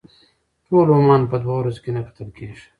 ټول عمان په دوه ورځو کې نه کتل کېږي.